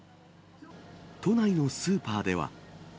都内のスーパーでは。